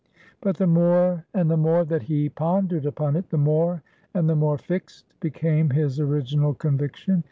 But the more and the more that he pondered upon it, the more and the more fixed became his original conviction.